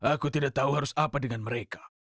aku tidak tahu harus apa dengan mereka